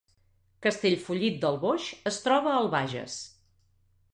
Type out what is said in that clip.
Castellfollit del Boix es troba al Bages